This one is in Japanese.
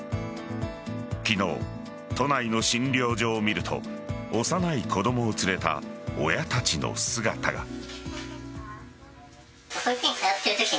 昨日、都内の診療所を見ると幼い子供を連れた親たちの姿が。